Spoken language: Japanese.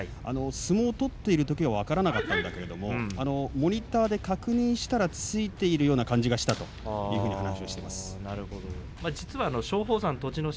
相撲を取っているときは分からなかったんだけれどもモニターで確認したらついているような気がしたという話をしています。